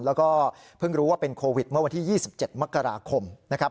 แล้วก็เพิ่งรู้ว่าเป็นโควิดเมื่อวันที่๒๗มกราคมนะครับ